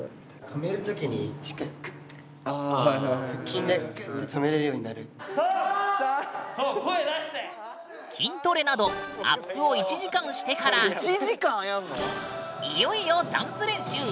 筋トレなどアップを１時間してからいよいよダンス練習。